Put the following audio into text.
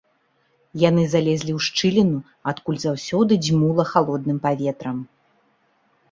Яны залезлі ў шчыліну, адкуль заўсёды дзьмула халодным паветрам.